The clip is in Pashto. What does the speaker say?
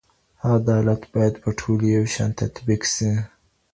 عدالت باید په ټولو یو شان تطبیق سي.